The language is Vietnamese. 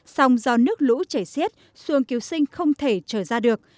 song do nước lũ chảy xiết xuồng cứu sinh không thể trở ra được